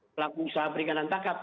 pelaku usaha perikanan tangkap